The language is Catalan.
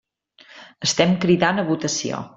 Estem cridant a votació.